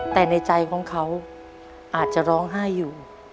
แต่ในใจของเขาอาจจะร้องไห้อยู่